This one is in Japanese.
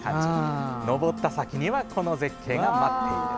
上った先にはこの絶景が待っている。